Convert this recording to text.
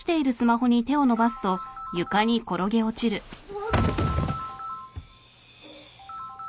あっ。